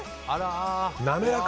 滑らか。